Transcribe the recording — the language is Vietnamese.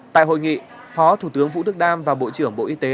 tại hội nghị phó thủ tướng vũ đức đam và bộ trưởng bộ y tế